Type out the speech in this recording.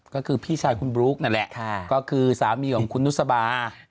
ก็คือพี่ชายคุณบลุ๊กนั่นแหละก็คือสามีของคุณนุษบา